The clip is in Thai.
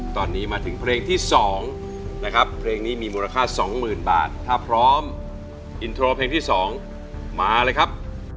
ตอนนี้มาถึงเพลงที่๒นะครับเพลงนี้มีมูลค่า๒๐๐๐บาทถ้าพร้อมอินโทรเพลงที่๒มาเลยครับ